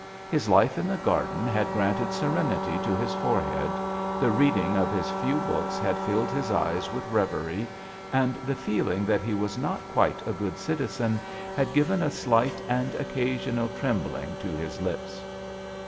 His life in the garden had granted serenity to his forehead, the reading of his few books had filled his eyes with reverie, and the feeling that he was not quite a good citizen had given a slight and occasional trembling to his lips.